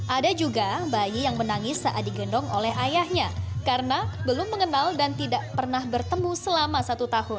ada juga bayi yang menangis saat digendong oleh ayahnya karena belum mengenal dan tidak pernah bertemu selama satu tahun